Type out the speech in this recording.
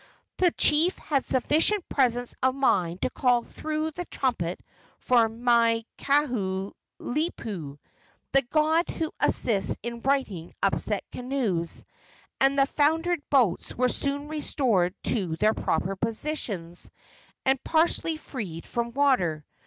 The chief had sufficient presence of mind to call through the trumpet for Maikahulipu, the god who assists in righting upset canoes, and the foundered boats were soon restored to their proper positions and partially freed from water.